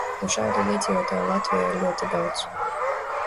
Un šādu iedzīvotāju Latvijā ir ļoti daudz.